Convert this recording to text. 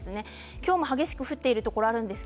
今日も激しく降っているところがあります。